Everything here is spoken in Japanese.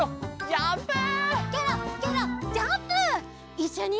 いっしょに。